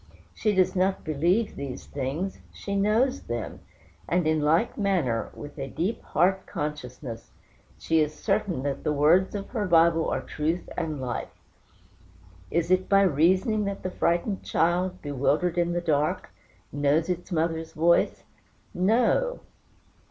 She does not believe these things she knows them; and in like manner, with a deep heart consciousness, she is certain that the words of her Bible are truth and life. Is it by reasoning that the frightened child, bewildered in the dark, knows its mother's voice? No!